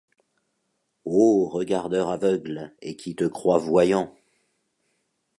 Ô regardeur aveugle et qui te crois voyant